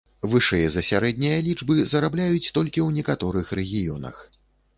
Вышэй за сярэднія лічбы зарабляюць толькі ў некаторых рэгіёнах.